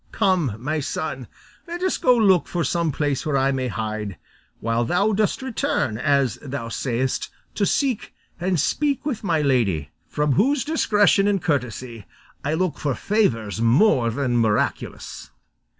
Come, my son, let us go look for some place where I may hide, while thou dost return, as thou sayest, to seek, and speak with my lady, from whose discretion and courtesy I look for favours more than miraculous."